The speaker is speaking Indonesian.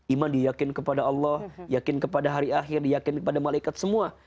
iman dia yakin kepada allah yakin kepada hari akhir yakin kepada malaikat semua